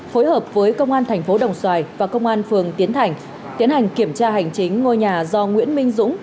phối hợp với công an thành phố đồng xoài và công an phường tiến thành tiến hành kiểm tra hành chính ngôi nhà do nguyễn minh dũng